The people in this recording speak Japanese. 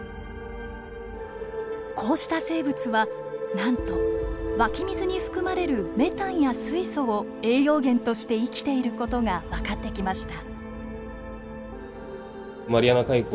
こうした生物はなんと湧き水に含まれるメタンや水素を栄養源として生きている事が分かってきました。